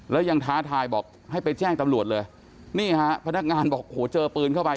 แล้วยังท้าทายบอกให้ไปแจ้งตำรวจเลยนี่ฮะพนักงานบอกโหเจอปืนเข้าไป